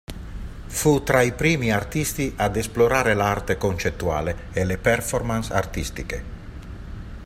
Fu tra i primi artisti ad esplorare l'arte concettuale e le "performance" artistiche.